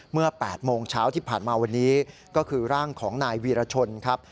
เมื่อ๘โมงเช้าที่ผ่านมาวันนี้ก็คือร่างของนายวีรชนครับ